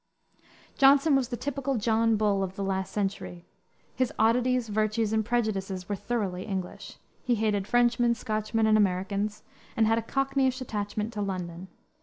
Johnson was the typical John Bull of the last century. His oddities, virtues, and prejudices were thoroughly English. He hated Frenchmen, Scotchmen, and Americans, and had a cockneyish attachment to London.